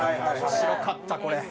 面白かったこれ。